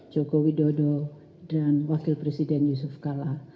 joko widodo dan wakil presiden yusuf kala